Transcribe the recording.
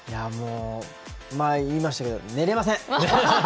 前に言いましたけど寝れません！